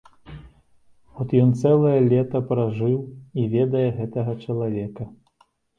От ён цэлае лета пражыў і ведае гэтага чалавека.